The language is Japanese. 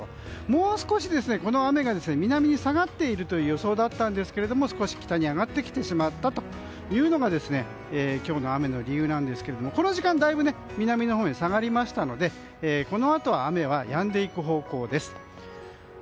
もう少し、この雨が南に下がっているという予想だったんですけれども少し北に上がってきてしまったというのが今日の雨の理由なんですけれどこの時間、だいぶ南のほうに下がりましたのでこのあとは雨はやんでいく方向です。